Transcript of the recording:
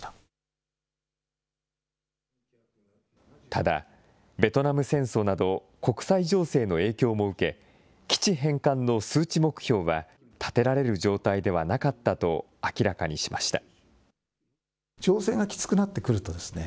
ただ、ベトナム戦争など国際情勢の影響も受け、基地返還の数値目標は、立てられる状態ではなかったと明らかにしました。